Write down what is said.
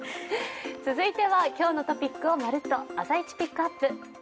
続いては今日のトピックをまるっと、「朝イチＰＩＣＫＵＰ！」。